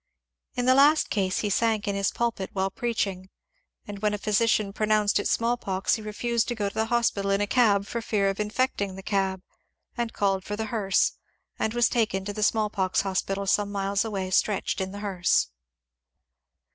In the last case he sank in his pulpit while preach ing, and when a physician pronounced it small pox he refused to go to the hospital in a cab for fear of infecting the cab, and called for the hearse, and was taken to the small pox hospital some miles away stretched in the hearse.